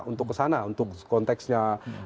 untuk kesana untuk konteksnya